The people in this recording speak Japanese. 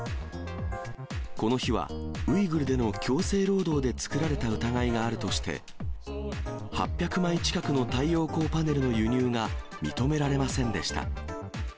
この日はウイグルでの強制労働で作られた疑いがあるとして、８００枚近くの太陽光パネルの輸入が認められませんでした。